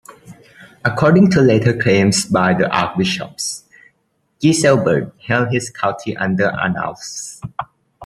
According to later claims by the archbishops, Giselbert held his county under Arnulf's.